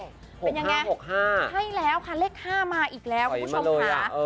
ใช่แล้วค่ะเลข๕มาอีกแล้วคุณผู้ชมค่ะ